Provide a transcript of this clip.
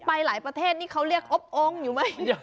ไปหลายประเทศนี่เขาเรียกอบองค์อยู่ไหม